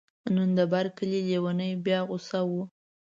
نن د بر کلي لیونی بیا غوصه و.